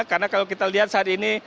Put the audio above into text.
karena kalau kita lihat saat ini